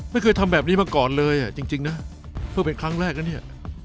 ไม่เคยทำแบบนี้มาก่อนเลยอ่ะจริงนะเพื่อเป็นครั้งแรกนะเนี่ย